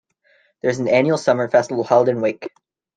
There is an annual summer festival held in Wick.